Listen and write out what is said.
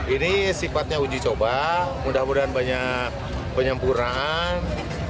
ini sifatnya uji coba mudah mudahan banyak penyempurnaan